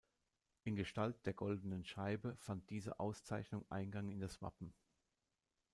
In Gestalt der goldenen Scheibe fand diese Auszeichnung Eingang in das Wappen.